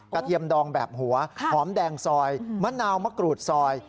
เทียมดองแบบหัวหอมแดงซอยมะนาวมะกรูดซอย